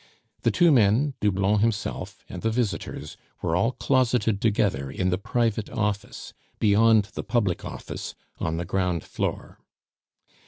The two men, Doublon himself, and the visitors were all closeted together in the private office, beyond the public office, on the ground floor.